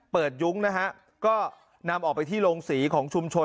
ยุ้งนะฮะก็นำออกไปที่โรงสีของชุมชน